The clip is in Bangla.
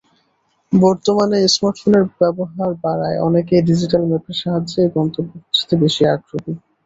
বর্তমানে স্মার্টফোনের ব্যবহার বাড়ায় অনেকেই ডিজিটাল ম্যাপের সাহায্যেই গন্তব্য খুঁজতে বেশি আগ্রহী।